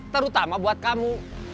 terutama buat kamu